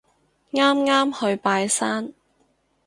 啱啱去拜山